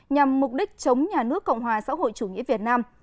nhằm mục đích chống nhà nước cộng hòa xã hội chủ nghĩa việt nam